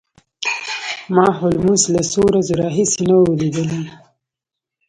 ما هولمز له څو ورځو راهیسې نه و لیدلی